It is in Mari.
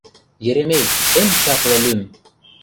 — Еремей — эн чапле лӱм!..